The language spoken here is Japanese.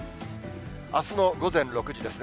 あすの午前６時です。